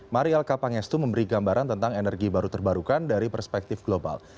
mariel kapangestu memberi gambaran tentang energi baru terbarukan dari perspektif global